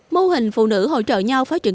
mô hình phụ nữ hỗ trợ nhau phát triển